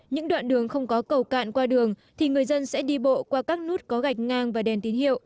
những đoạn đường không có cầu cạn qua đường thì người dân sẽ đi bộ qua các nút có gạch ngang và đèn tín hiệu